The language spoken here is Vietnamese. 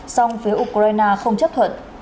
song phía ukraine không chấp thuận